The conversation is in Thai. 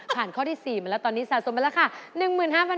ข้อที่๔มาแล้วตอนนี้สะสมไปแล้วค่ะ